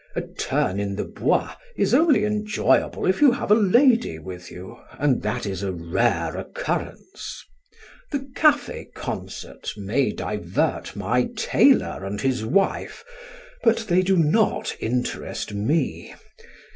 A turn in the Bois is only enjoyable if you have a lady with you, and that is a rare occurrence. The cafe concerts may divert my tailor and his wife, but they do not interest me.